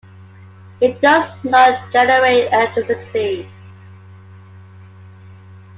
It does not generate electricity.